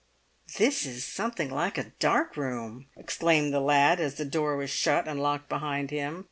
"This is something like a dark room!" exclaimed the lad as the door was shut and locked behind him.